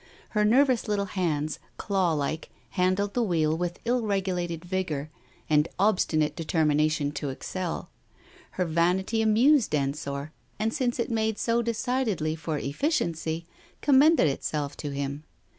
Her nervous little hands, clawlike, handled the wheel with ill regulated vigour and obstfnate determination to excel. Her vanity amused Ensor, and since it made so decidedly for effici ency, commended itself to him.